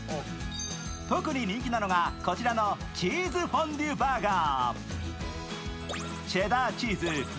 特に人気なのが、こちらのチーズフォンデュバーガー。